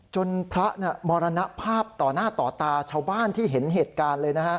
พระมรณภาพต่อหน้าต่อตาชาวบ้านที่เห็นเหตุการณ์เลยนะฮะ